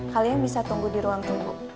kalian bisa tunggu di ruang tunggu